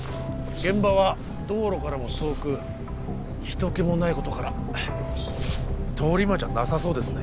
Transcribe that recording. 現場は道路からも遠く人けもないことから通り魔じゃなさそうですね